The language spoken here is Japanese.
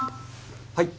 はい。